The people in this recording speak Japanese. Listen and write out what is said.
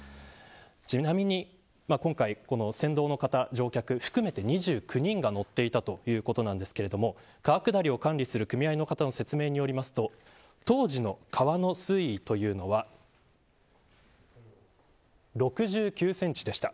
ちなみに、今回船頭の方、乗客含めて２９人が乗っていたということなんですが川下りを管理する組合の方の説明によりますと当時の川の水位は６９センチでした。